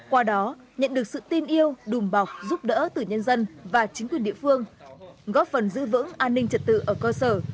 qua đó nhận được sự tin yêu đùm bọc giúp đỡ từ nhân dân và chính quyền địa phương góp phần giữ vững an ninh trật tự ở cơ sở